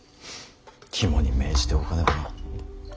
肝に銘じておかねばな。